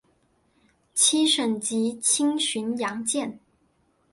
七省级轻巡洋舰。